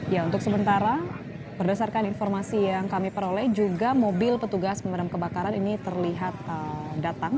ya untuk sementara berdasarkan informasi yang kami peroleh juga mobil petugas pemadam kebakaran ini terlihat datang